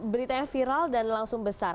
beritanya viral dan langsung besar